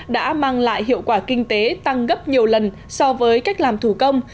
đã mang lại hiệu quả kinh tế tăng gấp nhiều lần so với cách làm thủ công